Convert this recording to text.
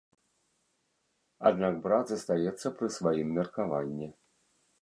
Аднак брат застаецца пры сваім меркаванні.